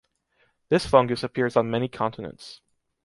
This fungus appears on many continents.